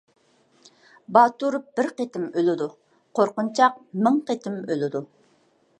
باتۇر بىر قېتىم ئۆلىدۇ، قورقۇنچاق مىڭ قېتىم ئۆلىدۇ.